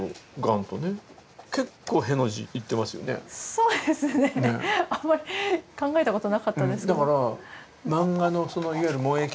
そうですねあんまり考えたことなかったですけど。